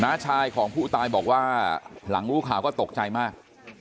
้าชายของผู้ตายบอกว่าหลังรู้ข่าวก็ตกใจมาก